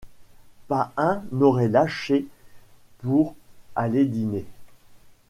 Pas un n’aurait lâché pour aller dîner.